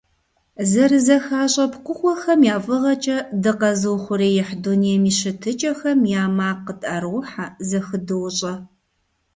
ЗэрызэхащӀэ пкъыгъуэхэм я фӀыгъэкӀэ дыкъэзыухъуреихь дунейм и щытыкӀэхэм я макъ къытӀэрохьэ, зэхыдощӀэ.